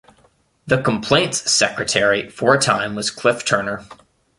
The Complaints Secretary for a time was Cliff Turner.